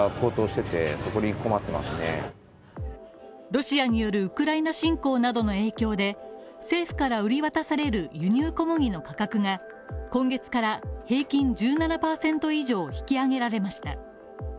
ロシアによるウクライナ侵攻などの影響で政府から売り渡される輸入小麦の価格が今月から平均１７％以上引き上げられました。